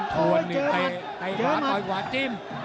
ทวนไอ้หาคอยกว่าจิ้ม